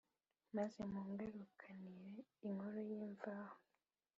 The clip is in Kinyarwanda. maze mungarukanire inkuru y’imvaho.